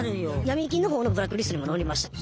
ヤミ金の方のブラックリストにも載りました。